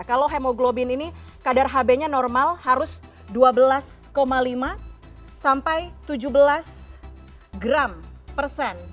kalau hemoglobin ini kadar hb nya normal harus dua belas lima sampai tujuh belas gram persen